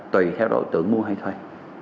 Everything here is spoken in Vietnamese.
tùy theo đội tượng mua hay thuê